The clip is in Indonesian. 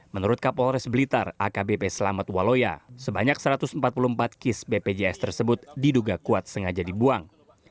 menurut kapolres blitar akbp selamat waloya sebanyak satu ratus empat puluh empat kis bpjs tersebut diduga kuat sengaja dibuang